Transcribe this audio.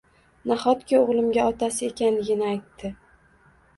nahotki oʻgʻlimga otasi ekanligini aytdi